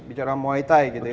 bicara muay thai gitu ya